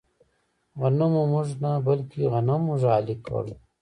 غنمو موږ نه، بلکې غنم موږ اهلي کړل.